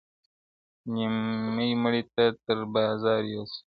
• نیمي مړۍ ته تر بازاره یوسي -